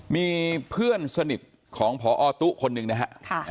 มีเพื่อนสนิทของพอตู้คนนึงนะครับ